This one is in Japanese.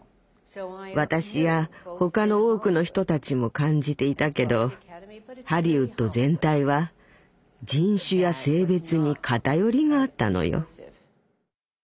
私や他の多くの人たちも感じていたけどハリウッド全体は人種や性別に偏りがあったのよ。